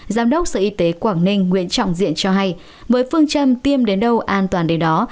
giám đốc sở y tế quảng ninh nguyễn trọng diện cho hay với phương châm tiêm đến đâu an toàn đến đó